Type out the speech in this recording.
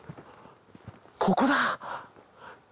ここだ！